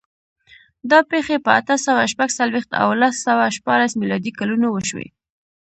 دا پېښې په اته سوه شپږ څلوېښت او لس سوه شپاړس میلادي کلونو وشوې.